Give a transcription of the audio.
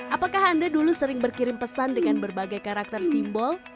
apakah anda dulu sering berkirim pesan dengan berbagai karakter simbol